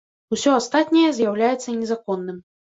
Усё астатняе з'яўляецца незаконным.